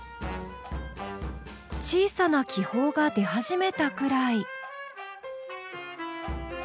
小さな気泡が出始めたぐらい。